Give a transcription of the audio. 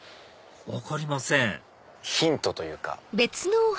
分かりませんヒントというか。